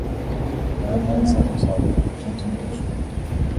kora neza uzagira ubutunzi mu ijuru.